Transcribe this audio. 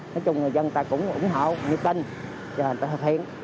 nói chung người dân ta cũng ủng hộ nhiệt tinh cho người ta thực hiện